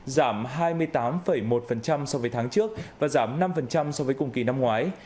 giảm hai mươi tám một so với tháng trước và giảm năm so với cùng kỳ năm ngoái